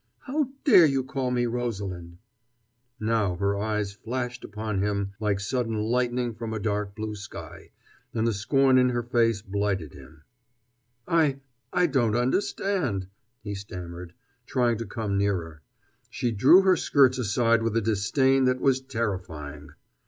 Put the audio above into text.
How dare you call me Rosalind?" Now her eyes flashed upon him like sudden lightning from a dark blue sky, and the scorn in her voice blighted him. "I I don't understand," he stammered, trying to come nearer. She drew her skirts aside with a disdain that was terrifying.